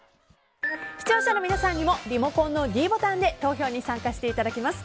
視聴者の皆さんにもリモコンのｄボタンで投票に参加していただけます。